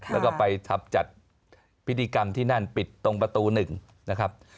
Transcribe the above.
แล้วก็ไปจัดพิธีกรรมที่นั่นปิดตรงประตูหนึ่งนะครับ